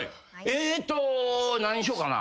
えーと何にしようかな。